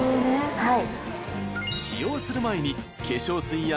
はい。